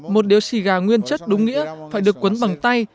một điều xì gà nguyên chất đúng nghĩa phải được cuốn bằng tay